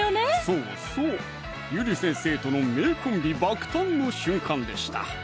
そうそうゆり先生との名コンビ爆誕の瞬間でした！